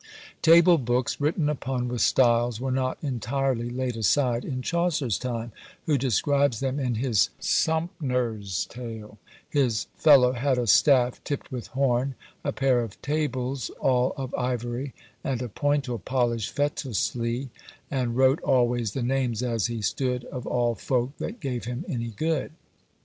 Table hooks written upon with styles were not entirely laid aside in Chaucer's time, who describes them in his Sompner's tale: His fellow had a staffe tipp'd with horne, A paire of tables all of iverie; And a pointell polished fetouslie, And wrote alwaies the names, as he stood, Of all folke, that gave hem any good.